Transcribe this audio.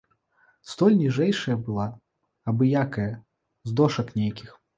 Столь ніжэйшая была, абы-якая, з дошак нейкіх.